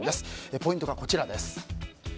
ポイントがこちらです。